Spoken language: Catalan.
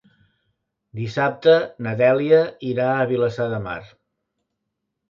Dissabte na Dèlia irà a Vilassar de Mar.